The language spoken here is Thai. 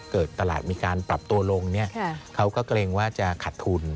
เกิดตลาดมีการปรับตัวลงเขาก็เกรงว่าจะขัดทุน